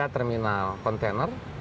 tiga terminal kontainer